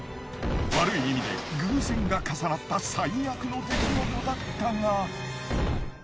悪い意味で偶然が重なった最悪の出来事だったが。